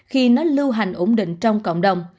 khi nó lưu hành ổn định trong cộng đồng